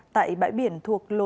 tại bãi biển thuộc lộn